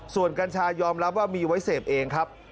ส่วนกัญชายอมรับว่ามีไว้เสพเองครับ